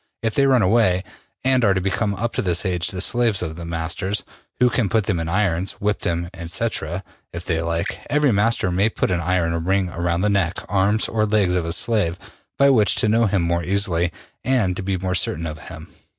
If they run away, they are to become up to this age the slaves of their masters, who can put them in irons, whip them, &c., if they like. Every master may put an iron ring around the neck, arms or legs of his slave, by which to know him more easily and to be more certain of him.